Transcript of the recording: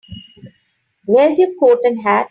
Where's your coat and hat?